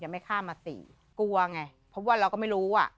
ไม่ข้ามมาสี่กลัวไงเพราะว่าเราก็ไม่รู้อ่ะ